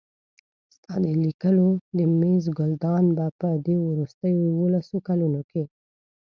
ستا د لیکلو د مېز ګلدان به په دې وروستیو یوولسو کلونو کې.